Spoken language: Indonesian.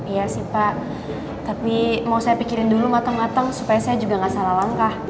iya sih pak tapi mau saya pikirin dulu matang matang supaya saya juga gak salah langkah